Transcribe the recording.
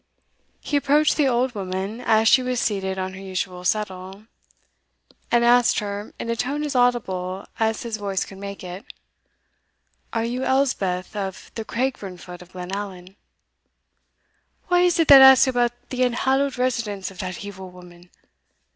He approached the old woman as she was seated on her usual settle, and asked her, in a tone as audible as his voice could make it, "Are you Elspeth of the Craigburnfoot of Glenallan?" "Wha is it that asks about the unhallowed residence of that evil woman?"